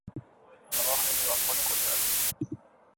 吾輩は、子猫である。